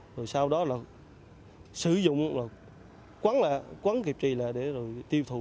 rồi sau đó là sử dụng quấn kẹp chi lại để tiêu thụ